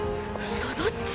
とどっち